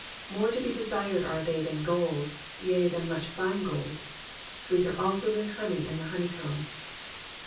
More to be desired are they than gold, yea, than much fine gold: Sweeter also than honey and the honeycomb.